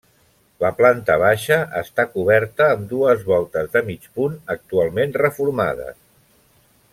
La planta baixa està coberta amb dues voltes de mig punt, actualment reformades.